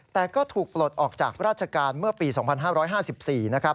แต่ก็ถูกปลดออกจากราชการเมื่อปี๒๕๕๔นะครับ